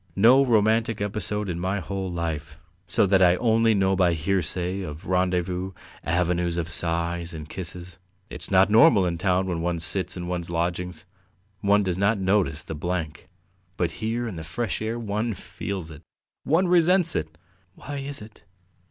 No romantic episode in my whole life, so that I only know by hearsay of rendezvous, 'avenues of sighs,' and kisses. It's not normal! In town, when one sits in one's lodgings, one does not notice the blank, but here in the fresh air one feels it. ... One resents it!" "Why is it?"